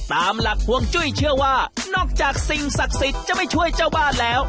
ตามหลักพวงจุ้ยเชื่อว่านอกจากสิ่งศักดิ์สิทธิ์จะไม่ช่วยเจ้าบ้านแล้ว